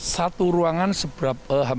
satu ruangan seberapa